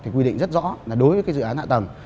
thì quy định rất rõ là đối với dự án hạ tầng